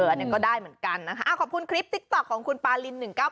อันนี้ก็ได้เหมือนกันนะคะขอบคุณคลิปติ๊กต๊อกของคุณปาลิน๑๙๑